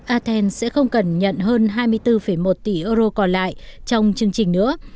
ad an sẽ không cần nhận hơn hai mươi bốn một tỷ euro còn lại trong chương trình nữa